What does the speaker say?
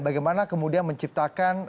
bagaimana kemudian menciptakan